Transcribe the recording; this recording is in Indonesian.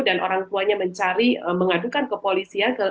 dan orang tuanya mencari mengadukan ke polisi ya